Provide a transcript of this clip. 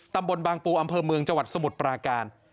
ตำบลบางปูอำเภอเมืองจังหวัดสมุทรปราการ